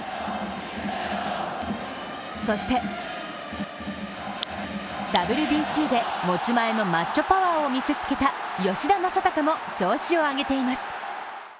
そして、ＷＢＣで持ち前のマッチョパワーを見せつけた吉田正尚も、調子を上げています。